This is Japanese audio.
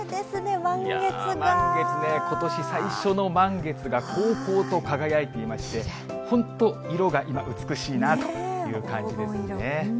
満月ね、ことし最初の満月がこうこうと輝いていまして、本当、色が今、美しいなという感じですね。